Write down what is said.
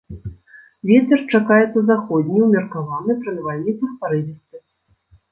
Вецер чакаецца заходні ўмеркаваны, пры навальніцах парывісты.